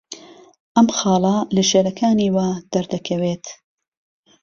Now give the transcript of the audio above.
ئەم خاڵە لە شێعرەکانییەوە دەردەکەوێت